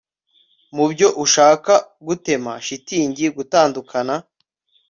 Mubyo ushaka gutema shitingi gutandukana